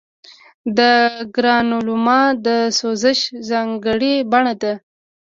د ګرانولوما د سوزش ځانګړې بڼه ده.